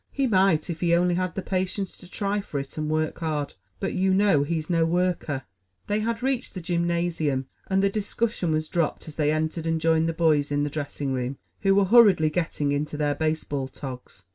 "He might, if he only had the patience to try for it and work hard, but you know he's no worker." They had reached the gymnasium, and the discussion was dropped as they entered and joined the boys in the dressing room, who were hurriedly getting into their baseball togs.